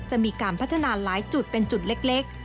จะมีการพัฒนาหลายจุดเป็นจุดเล็ก